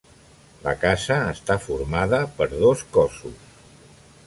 La casa està formada per dos cossos.